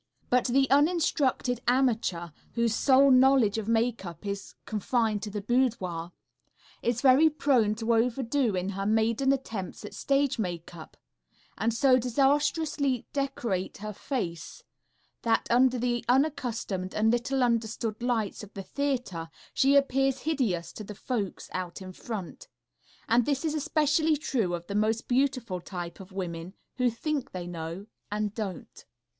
But the uninstructed amateur, whose sole knowledge of makeup is confined to the boudoir, is very prone to overdo in her maiden attempts at stage makeup, and so disastrously decorate her face that under the unaccustomed and little understood lights of the theatre she appears hideous to the folks out in front. And this is especially true of the most beautiful type of women, who think they know, and don't.